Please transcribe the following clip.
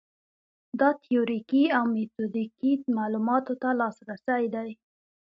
دا تیوریکي او میتودیکي معلوماتو ته لاسرسی دی.